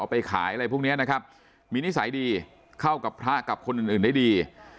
ไปขายอะไรพวกนี้นะครับมีนิสัยดีเข้ากับพระกับคนอื่นได้ดี